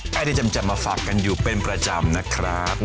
ใครที่จำมาฝากกันอยู่เป็นประจำนะครับ